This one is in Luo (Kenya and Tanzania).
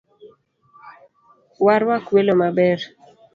Warwak welo maber